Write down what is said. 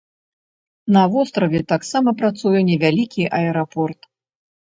На востраве таксама працуе невялікі аэрапорт.